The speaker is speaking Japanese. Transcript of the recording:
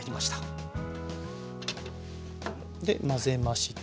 で混ぜまして。